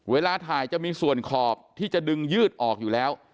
เวลาถ่ายจะมีส่วนขอบที่จะดึงยืดออกอยู่แล้ว